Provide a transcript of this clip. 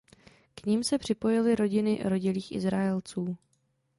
K nim se připojily rodiny rodilých Izraelců.